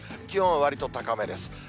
気温はわりと高めです。